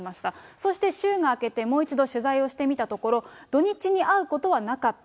そして週が明けて、もう一度取材をしてみたところ、土日に会うことはなかった。